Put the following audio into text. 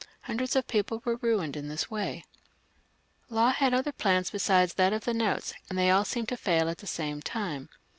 Hundreds of people were ruined in this way. Law had other plans besides that of the notes, and they aU seemed to fail at the ^ 366 LOUIS XV, [CH. same time.